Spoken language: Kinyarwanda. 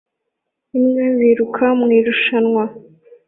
Imbwa ziruka mu irushanwa